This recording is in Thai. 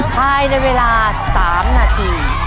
ภายในเวลา๓นาที